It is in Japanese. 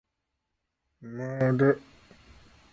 まーだ